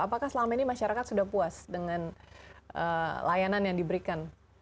apakah selama ini masyarakat sudah puas dengan layanan yang diberikan